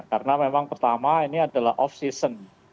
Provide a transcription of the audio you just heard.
karena memang pertama ini adalah off season